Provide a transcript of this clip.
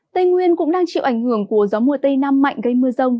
tây nguyên cũng đang chịu ảnh hưởng của gió mùa tây nam mạnh gây mưa rông